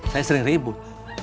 saya sering ribut